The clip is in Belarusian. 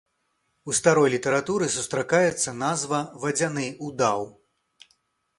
У старой літаратуры сустракаецца назва вадзяны удаў.